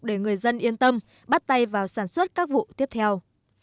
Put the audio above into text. để người dân yên tâm bắt tay vào sản xuất các vụ tiếp theo